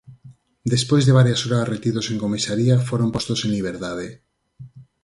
Despois de varias horas retidos en comisaría foron postos en liberdade.